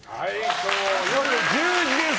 今日夜１０時です。